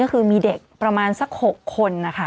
ก็คือมีเด็กประมาณสัก๖คนนะคะ